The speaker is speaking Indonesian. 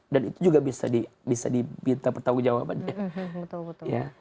dan itu juga bisa dibinta pertanggung jawabannya